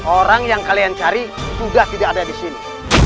orang yang kalian cari sudah tidak ada di sini